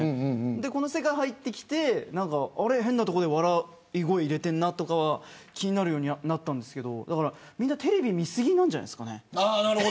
この世界に入ってきて変なところで笑い声入れているなとかは気になるようになったんですけどみんなテレビ見過ぎなんじゃないですかね。